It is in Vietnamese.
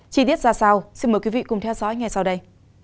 chi tiết ra sau xin mời quý vị cùng theo dõi ngay sau đây